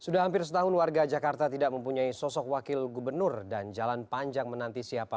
dki jakarta menemani dprd dki jakarta